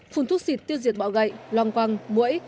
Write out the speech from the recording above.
phun thuốc xịt tiêu diệt bọ gậy loang quang mũi